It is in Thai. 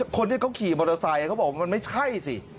คนที่เขาขี่มอเตอร์ไซค์เขาบอกว่ามันไม่ใช่สิ